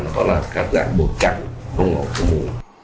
nó có một cái dạng bột chặn không ngổ không ngủ